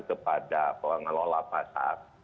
kepada pengelola pasar